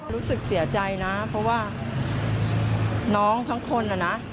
รู้สึกเสียใจนะเพราะว่าน้องทั้งคนน่ะนะ